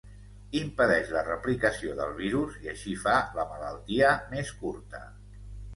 Impedeix la replicació del virus i així fa la malaltia més curta.